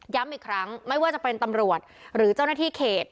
อีกครั้งไม่ว่าจะเป็นตำรวจหรือเจ้าหน้าที่เขต